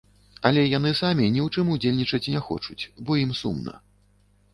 Але яны самі ні ў чым удзельнічаць не хочуць, бо ім сумна.